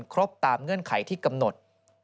ครบตามเงื่อนไขที่กำหนด